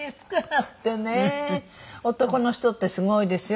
男の人ってすごいですよ